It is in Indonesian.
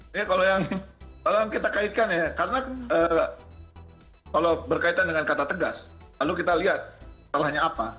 ini kalau yang kita kaitkan ya karena kalau berkaitan dengan kata tegas lalu kita lihat salahnya apa